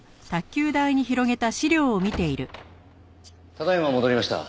ただ今戻りました。